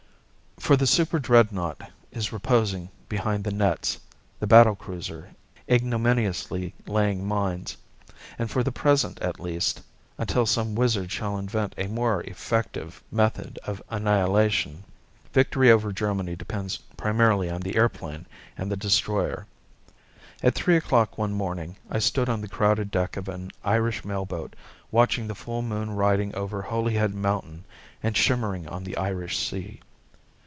For the superdreadnought is reposing behind the nets, the battle cruiser ignominiously laying mines; and for the present at least, until some wizard shall invent a more effective method of annihilation, victory over Germany depends primarily on the airplane and the destroyer. At three o'clock one morning I stood on the crowded deck of an Irish mail boat watching the full moon riding over Holyhead Mountain and shimmering on the Irish Sea.